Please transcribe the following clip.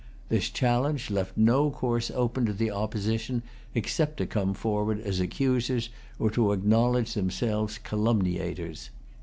[Pg 214] This challenge left no course open to the Opposition, except to come forward as accusers, or to acknowledge themselves calumniators.